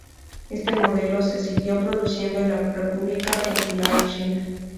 Este modelo se siguió produciendo en la República Popular China.